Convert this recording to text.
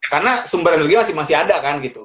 karena sumber energi masih ada kan gitu